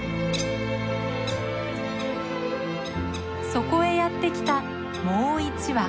そこへやって来たもう１羽。